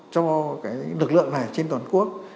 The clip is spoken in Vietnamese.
cho cái lực lượng này trên toàn quốc